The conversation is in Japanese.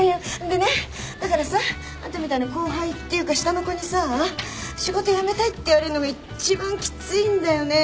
でねだからさあんたみたいな後輩っていうか下の子にさ仕事辞めたいって言われんのが一番きついんだよね。